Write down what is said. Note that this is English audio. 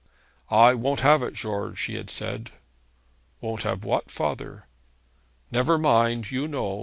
'I won't have it, George,' he had said. 'Won't have what, father?' 'Never mind. You know.